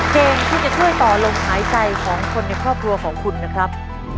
เกมที่จะช่วยต่อลมหายใจของคนในครอบครัวของคุณนะครับ